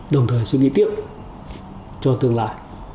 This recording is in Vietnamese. đồng thời sẽ ghi tiếp cho tương lai